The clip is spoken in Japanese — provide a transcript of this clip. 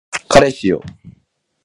彼氏よ